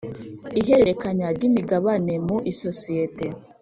ihererekanya ry imigabane mu isosiyete